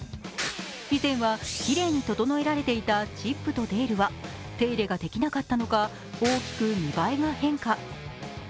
以前はきれいに整えられていたチップとデールは、手入れができなかったのか大きく見栄えが変化。